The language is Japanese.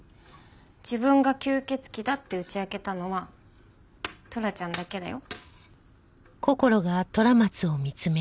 自分が吸血鬼だって打ち明けたのはトラちゃんだけだよ。